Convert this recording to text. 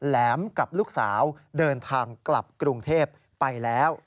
แหมกับลูกสาวเดินทางกลับกรุงเทพไปแล้ว